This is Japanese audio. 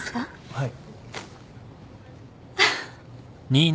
はい？